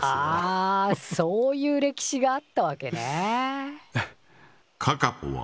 あそういう歴史があったわけね。